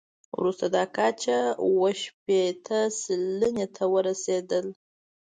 وروسته دا کچه اووه شپېته سلنې ته ورسېده.